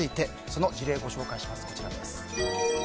その事例をご紹介します。